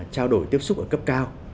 trao đổi tiếp xúc ở cấp cao